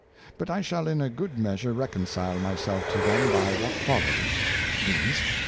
But I shall in a good measure reconcile my self to them by what follows; viz.